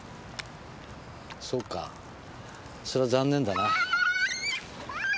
そうかそりゃ残念だな。